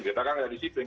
kita kan gak disiplin